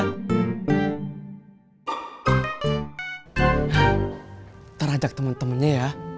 ntar ajak temen temennya ya